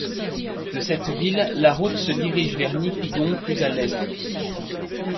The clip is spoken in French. De cette ville, la route se dirige vers Nipigon plus à l'est.